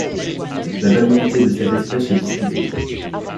La validité de cette espèce est discutée.